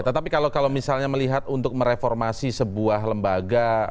tetapi kalau misalnya melihat untuk mereformasi sebuah lembaga